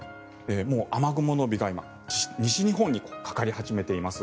もう雨雲の帯が西日本にかかり始めています。